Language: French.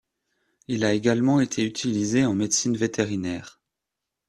Il a également été utilisé en médecine vétérinaire.